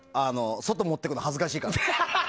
外持ってくの恥ずかしいから。